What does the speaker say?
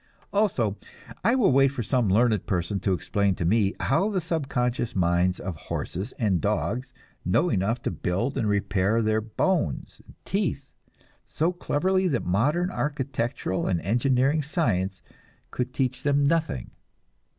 Also I will wait for some learned person to explain to me how the subconscious minds of horses and dogs know enough to build and repair their bones and teeth, so cleverly that modern architectural and engineering science could teach them nothing.